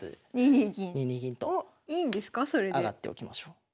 ２二銀と上がっておきましょう。